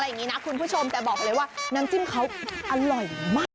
อย่างนี้นะคุณผู้ชมแต่บอกเลยว่าน้ำจิ้มเขาอร่อยมาก